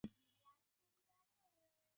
তিনি শিক্ষাদানে উৎসাহ দিতেন।